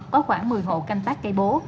có khoảng một mươi hộ canh tác cây bố